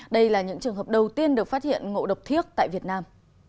đây là những trường hợp đầu tiên được phát hiện ngộ độc thiết tại việt nam